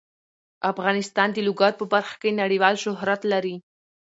افغانستان د لوگر په برخه کې نړیوال شهرت لري.